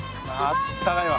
あったかいわ。